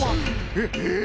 えっええ？